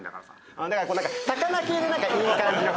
だから魚系のいい感じの。